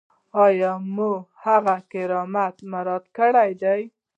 یا مو د هغه کرامت مراعات کړی دی.